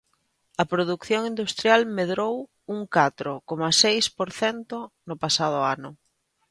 A produción industrial medrou un catro coma seis por cento no pasado ano